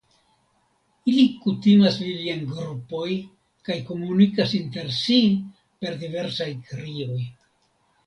Ili kutimas vivi en grupoj kaj komunikas inter si per diversaj krioj.